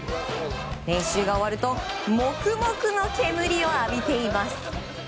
練習が終わるとモクモクな煙を浴びています。